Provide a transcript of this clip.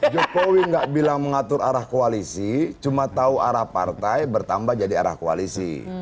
jokowi nggak bilang mengatur arah koalisi cuma tahu arah partai bertambah jadi arah koalisi